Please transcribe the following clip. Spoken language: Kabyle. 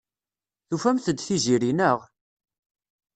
Tufamt-d Tiziri, naɣ?